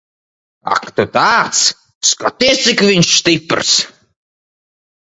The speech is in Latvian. Ak tu tāds. Skaties, cik viņš stiprs.